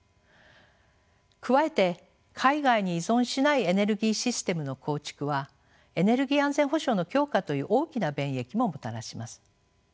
加えて海外に依存しないエネルギーシステムの構築はエネルギー安全保障の強化という大きな便益ももたらします。